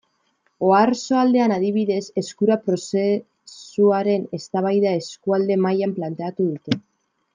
Oarsoaldean, adibidez, Eskura prozesuaren eztabaida eskualde mailan planteatu dute.